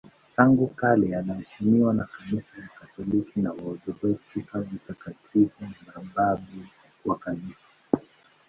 Tangu kale anaheshimiwa na Kanisa Katoliki na Waorthodoksi kama mtakatifu na babu wa Kanisa.